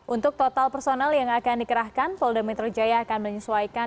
untuk total personal yang akan dikerahkan polda metro jaya akan menyesuaikan